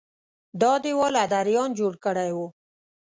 دا دېوال ادریان جوړ کړی و